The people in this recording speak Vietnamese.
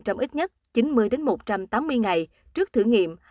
trong ít nhất chín mươi một trăm tám mươi ngày trước thử nghiệm